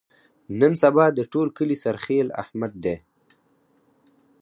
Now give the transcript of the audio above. نن سبا د ټول کلي سرخیل احمد دی.